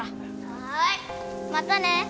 はーい。またね。